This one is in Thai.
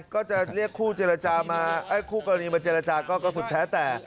ก็จะเรียกคู่เจรจามาคู่กรณีมาเจรจาก็สุดแท้แต่